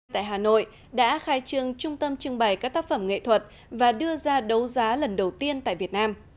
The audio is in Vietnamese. tại hà nội đã khai trương trung tâm trưng bày các tác phẩm nghệ thuật và đưa ra đấu giá lần đầu tiên tại việt nam